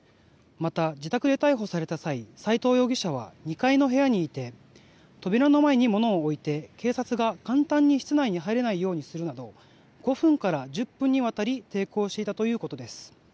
また、自宅で逮捕された際斎藤容疑者は２階の部屋にいて扉の前に物を置いて警察が簡単に室内に入れないようにするなど５分から１０分にわたり抵抗していたということです。